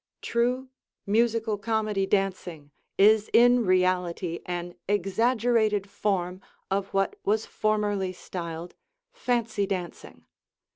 True Musical Comedy dancing is in reality an exaggerated form of what was formerly styled "fancy dancing."